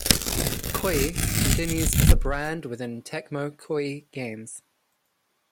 Koei continues as a brand within Tecmo Koei Games.